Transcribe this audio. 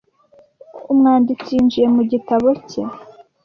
Umwanditsi yinjiye mu gitabo cye.